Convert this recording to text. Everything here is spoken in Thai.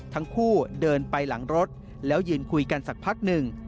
ทั้งคู่เดินไปหลังรถแล้วยืนคุยกันสักพักหนึ่ง